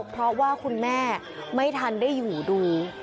เพราะว่าคุณแม่ไม่ทันได้อยู่ดู